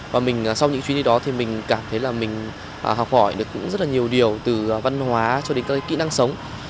và mình sau những chuyến đi đó thì mình cảm thấy là mình học hỏi được cũng rất là nhiều điều từ văn hóa cho đến các kỹ năng sống